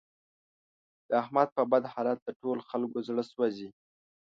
د احمد په بد حالت د ټول خکلو زړه سوځي.